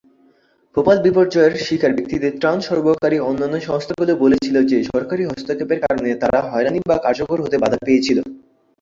ভোপাল বিপর্যয়ের শিকার ব্যক্তিদের ত্রাণ সরবরাহকারী অন্যান্য সংস্থাগুলি বলেছিল যে সরকারী হস্তক্ষেপের কারণে তারা হয়রানি বা কার্যকর হতে বাধা পেয়েছিল।